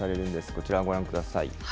こちらご覧ください。